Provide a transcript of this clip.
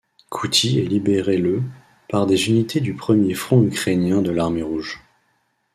Kouty est libérée le par des unités du premier front ukrainien de l'Armée rouge.